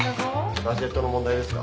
バジェットの問題ですか？